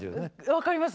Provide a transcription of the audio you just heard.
分かります。